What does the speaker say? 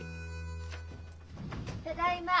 ただいま。